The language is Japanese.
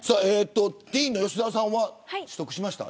ティーンの吉澤さんは取得しましたか。